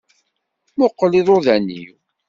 Muqel iḍuḍan-iw.